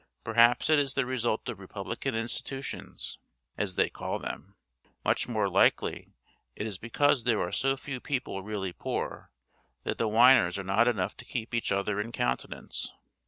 Perhaps it is the result of republican institutions, as they call them. Much more likely it is because there are so few people really poor, that the whiners are not enough to keep each other in countenance.